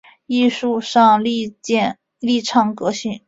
艺术上力倡革新